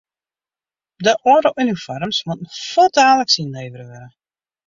De âlde unifoarms moatte fuortdaliks ynlevere wurde.